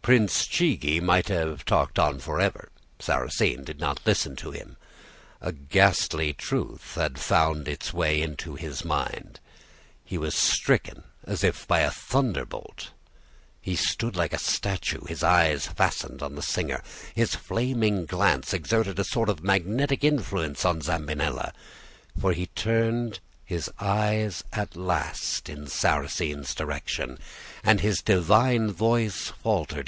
"Prince Chigi might have talked on forever, Sarrasine did not listen to him. A ghastly truth had found its way into his mind. He was stricken as if by a thunderbolt. He stood like a statue, his eyes fastened on the singer. His flaming glance exerted a sort of magnetic influence on Zambinella, for he turned his eyes at last in Sarrasine's direction, and his divine voice faltered.